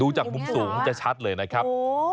จากมุมสูงจะชัดเลยนะครับ